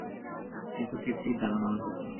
কিন্তু ঠিক ঠিক ধারণা হইতেছে না।